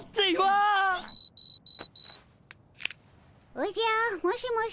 おじゃもしもし？